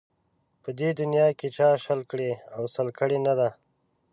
په دې دنیا کې چا شل کړي او سل کړي نه ده